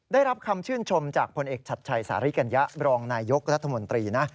ได้รับคำชื่นชมจากพลเอกชัดชัยสาริกัญญะรองนายยกรัฐมนตรีนะ